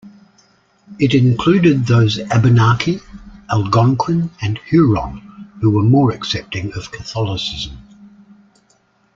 It included those Abenaki, Algonquin, and Huron who were more accepting of Catholicism.